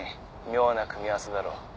妙な組み合わせだろ。